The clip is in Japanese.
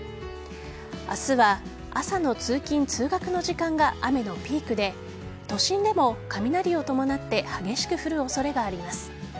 明日は朝の通勤・通学の時間が雨のピークで都心でも雷を伴って激しく降る恐れがあります。